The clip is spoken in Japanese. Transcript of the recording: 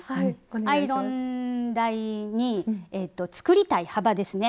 アイロン台に作りたい幅ですね。